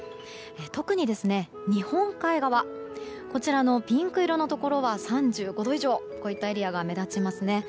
特に日本海側のピンク色のところは３５度以上のエリアが目立ちますね。